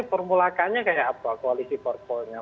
formula k nya kayak apa koalisi parpolnya